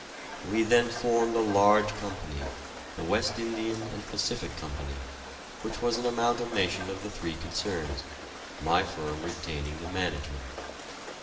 We then formed a large company, the West Indian and Pacific Co., which was an amalgamation of the three concerns, my firm retaining the management.